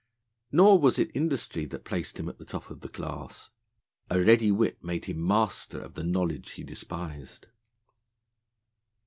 Nor was it industry that placed him at the top of the class. A ready wit made him master of the knowledge he despised.